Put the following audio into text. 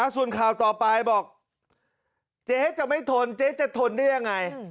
ส่วนข่าวต่อไปบอกเจ๊จะไม่ทนเจ๊จะทนได้ยังไง